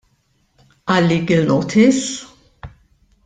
Għal-legal notice?